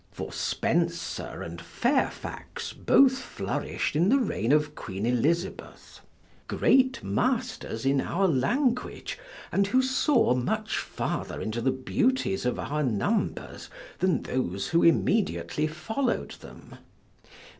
For Spenser and Fairfax both flourish'd in the reign of Queen Elizabeth; great masters in our language, and who saw much farther into the beauties of our numbers than those who immediately followed them.